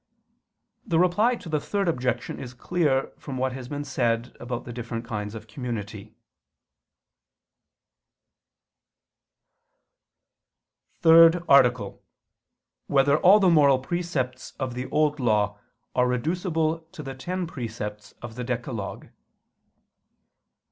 The Reply to the Third Objection is clear from what has been said about the different kinds of community. ________________________ THIRD ARTICLE [I II, Q. 100, Art. 3] Whether All the Moral Precepts of the Old Law Are Reducible to the Ten Precepts of the Decalogue?